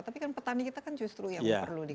tapi kan petani kita kan justru yang perlu di